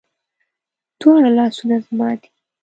دواړه لاسونه زما دي